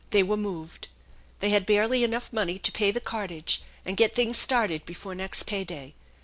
They were moved. They had barely enough money to pay the cartage and get things started before next pay day.